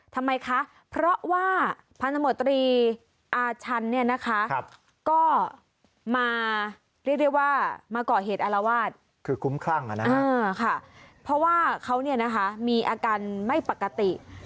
ทำไมคะเพราะว่าพันธมตรีอาชันเนี่ยนะคะก็มาเรียกได้ว่ามาเกาะเหตุอารวาส